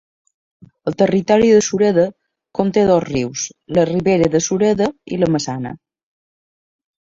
El territori de Sureda conté dos rius: la Ribera de Sureda i la Maçana.